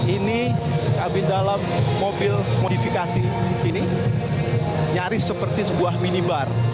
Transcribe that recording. ini kabin dalam mobil modifikasi ini nyaris seperti sebuah minibar